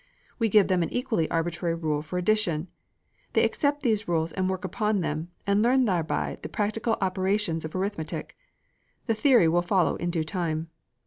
We give them an equally arbitrary rule for addition. They accept these rules and work upon them, and learn thereby the practical operations of arithmetic. The theory will follow in due time.